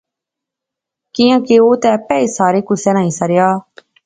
کیاں کہ او تہ اپی اس سارے کُسے ناں حصہ رہیا